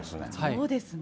そうですね。